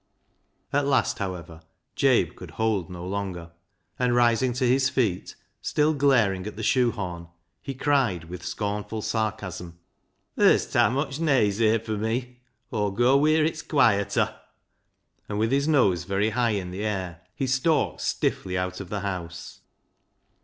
At last, however, Jabe could hold no longer, and rising to his feet, still glaring at the shoe horn, he cried, with scornful sarcasm —" Ther's ta mitch neyse here fur me. Aw'll goa wheer it's quieter," and with his nose very high in the air he stalked stiffly out of the house.